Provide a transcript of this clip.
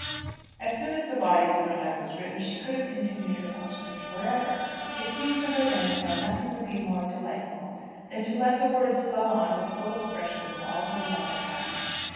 As soon as the body of her letter was written, she could have continued her postscript for ever. It seemed to her then as though nothing would be more delightful than to let the words flow on with full expressions of all her love and happiness.